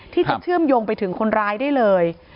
ที่จะเชื่อมโยงไปถึงคนร้ายได้เลย